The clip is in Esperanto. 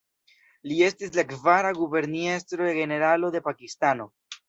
Li estis la kvara guberniestro-generalo de Pakistano.